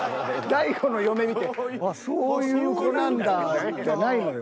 大悟の嫁見てあっそういう子なんだじゃないのよ。